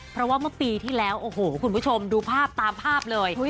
เพราะว่าเมื่อปีที่แล้วโอ้โหคุณผู้ชมดูภาพตามภาพเลย